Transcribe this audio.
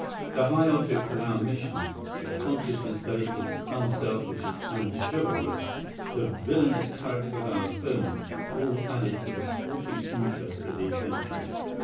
The high object of our mission, the consciousness that it was unselfish and chivalrous, the villainous character of our opponent, all added to the sporting interest of the adventure.